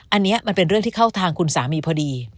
อันนี้มันเป็นเรื่องที่เข้าทางคุณสามีพอดี